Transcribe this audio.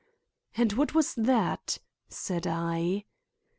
"And what was that?" said I.